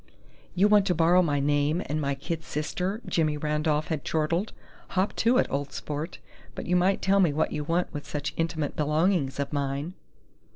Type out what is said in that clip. "You want to borrow my name and my kid sister?" Jimmy Randolph had chortled. "Hop to it, old sport! But you might tell me what you want with such intimate belongings of mine."